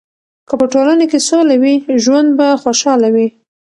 که په ټولنه کې سوله وي، ژوند به خوشحاله وي.